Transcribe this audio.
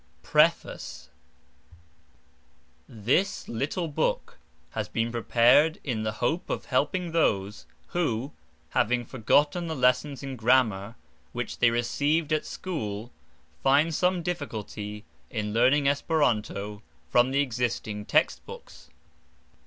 PREFACE. This little book has been prepared in the hope of helping those who, having forgotten the lessons in grammar which they received at school, find some difficulty in learning Esperanto from the existing textbooks.